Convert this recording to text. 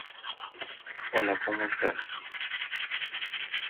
El presidente de la V Legislatura es Alexander Ivanov.